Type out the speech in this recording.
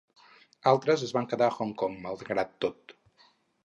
Altres es van quedar a Hong Kong, malgrat tot.